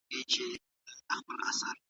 ژوند د انسان د پوهې لوړه دی